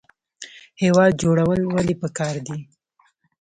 هیواد جوړول ولې پکار دي؟